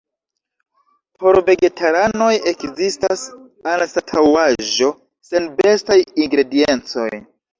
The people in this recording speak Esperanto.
Por vegetaranoj ekzistas anstataŭaĵo sen bestaj ingrediencoj.